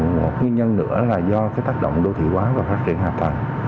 một nguyên nhân nữa là do cái tác động đô thị hóa và phát triển hạ tầng